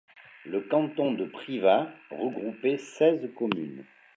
Le canton de Privas regroupait seize communes.